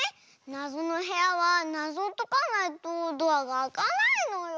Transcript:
なぞのへやはなぞをとかないとドアがあかないのよ。